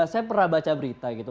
saya pernah baca berita gitu